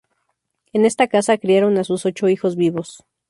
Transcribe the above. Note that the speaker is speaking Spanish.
En esta casa criaron a sus ocho hijos vivos.